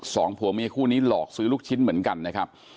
สองผัวเมียคู่นี้หลอกซื้อลูกชิ้นเหมือนกันนะครับ